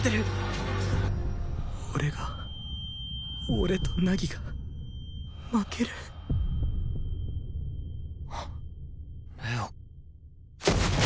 俺が俺と凪が負ける！？玲王。